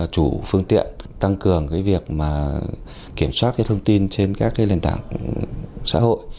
chủ phương tiện tăng cường việc kiểm soát thông tin trên các nền tảng xã hội